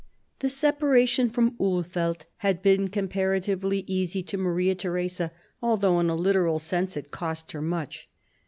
The separation from Ulfeldt had been comparatively easy to Maria Theresa, although in a literal sense it cost her much.